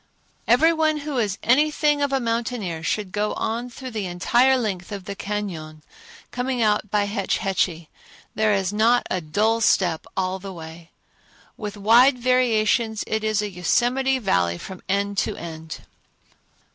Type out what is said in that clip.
Every one who is anything of a mountaineer should go on through the entire length of the cañon, coming out by Hetch Hetchy. There is not a dull step all the way. With wide variations, it is a Yosemite Valley from end to end.